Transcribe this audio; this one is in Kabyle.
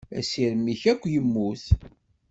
Asirem-is akk yemmut.